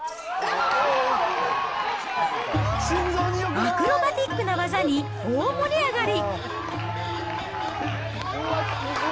アクロバティックな技に大盛り上がり。